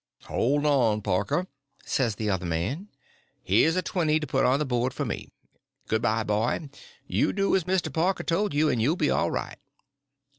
"Hold on, Parker," says the other man, "here's a twenty to put on the board for me. Good bye, boy; you do as Mr. Parker told you, and you'll be all right."